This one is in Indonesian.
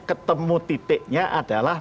ketemu titiknya adalah